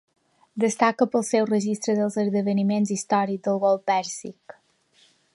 Destaca pel seu registre dels esdeveniments històrics del Golf Pèrsic.